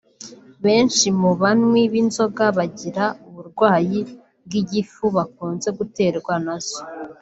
Benshi mu banywi b’inzoga bagira uburwayi bw’igifu bakunze guterwa na zo